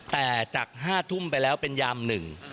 แต่จาก๕ทุ่มไปแล้วเป็นยามหนึ่ง